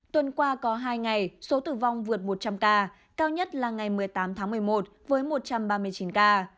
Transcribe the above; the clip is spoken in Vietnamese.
tuần qua có hai ngày số tử vong vượt một trăm linh ca cao nhất là ngày một mươi tám tháng một mươi một với một trăm ba mươi chín ca